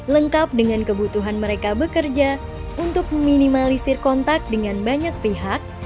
lengkap dengan kebutuhan mereka bekerja untuk meminimalisir kontak dengan banyak pihak